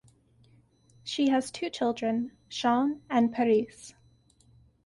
She has two children, Shawn and Paryse.